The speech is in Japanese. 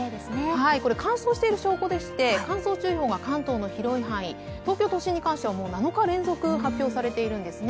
これ、乾燥している証拠でして、乾燥注意報が関東の広い範囲、東京都心に関しては７日連続発表されているんですよね。